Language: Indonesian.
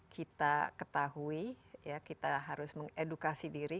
kita ketahui ya kita harus mengedukasi diri